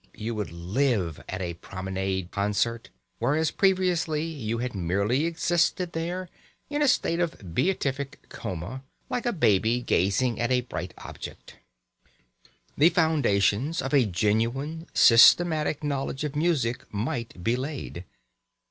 You would live at a promenade concert, whereas previously you had merely existed there in a state of beatific coma, like a baby gazing at a bright object. The foundations of a genuine, systematic knowledge of music might be laid.